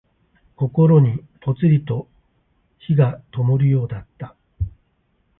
心にぽつりと灯がともるようだった。